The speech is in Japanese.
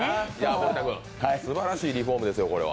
森田君、すばらしいリフォームですよ、これは。